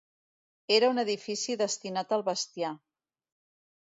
Era un edifici destinat al bestiar.